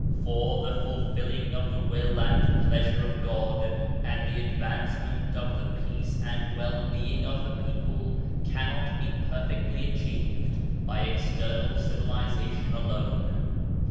For, the fulfilling of the will and pleasure of God, and the advancement of the peace and well being of the people cannot be perfectly achieved by external civilization alone.